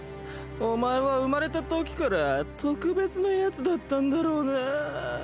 お前は生まれたときから特別なやつだったんだろうなぁ。